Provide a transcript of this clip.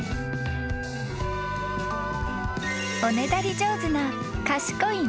［おねだり上手な賢い猫でした］